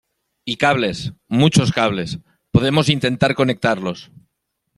y cables, muchos cables , podemos intentar conectarlos